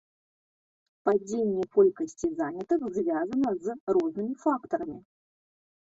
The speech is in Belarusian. Падзенне колькасці занятых звязана з рознымі фактарамі.